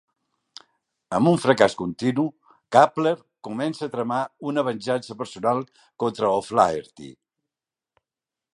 Amb un fracàs continu, Kappler comença a tramar una venjança personal contra O'Flaherty.